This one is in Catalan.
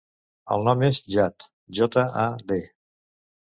El nom és Jad: jota, a, de.